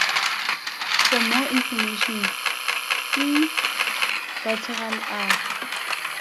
For more information, see guttural R.